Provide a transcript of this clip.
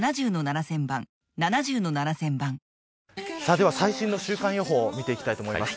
では最新の週間予報を見ていきたいと思います。